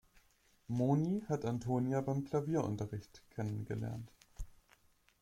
Moni hat Antonia beim Klavierunterricht kennengelernt.